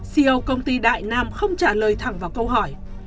ceo công ty đại nam không trả lời thẳng vào câu hỏi